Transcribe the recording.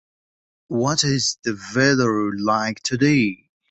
What is the weather like today?